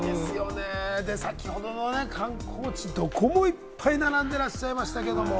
先ほどの観光地、どこもいっぱい並んでいらっしゃいましたけど。